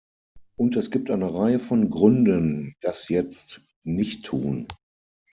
Und es gibt eine Reihe von Gründen, das jetzt nicht tun.